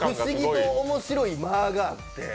不思議と面白い間があって。